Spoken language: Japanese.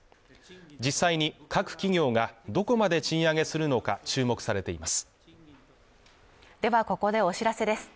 実際に各企業がどこまで賃上げするのか注目されていますではここでお知らせです